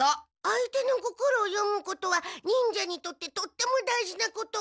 相手の心を読むことは忍者にとってとっても大事なこと。